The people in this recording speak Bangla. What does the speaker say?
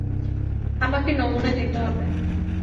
আমাকে নমুনা নিতে হবে।